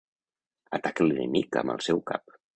Ataquen l'enemic amb el seu cap.